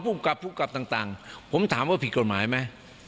ภูมิกับผู้กลับต่างผมถามว่าผิดกฎหมายไหม